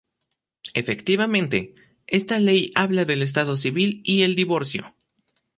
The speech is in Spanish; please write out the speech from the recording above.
Efectivamente, esta ley habla del estado civil y el divorcio.